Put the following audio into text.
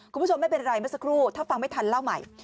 คุณผู้ชมไม่เป็นไรเมื่อสักครู่ถ้าฟังไม่ทันเล่าใหม่